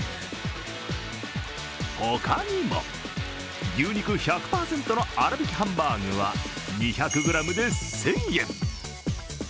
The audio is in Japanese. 他にも牛肉１００％の粗びきハンバーグは２００ｇで１０００円。